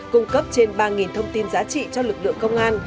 cung cấp trên ba thông tin giá trị cho lực lượng công an